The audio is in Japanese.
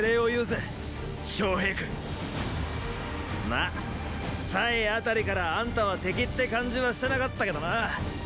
まあたりからあんたは敵って感じはしてなかったけどな。